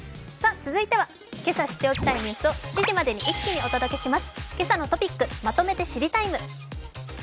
続いてはけさ知っておきたいニュースを７時までに一気にお伝えします。